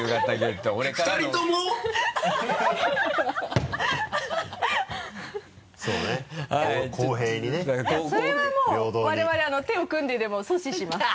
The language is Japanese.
いやそれはもう我々手を組んででも阻止します。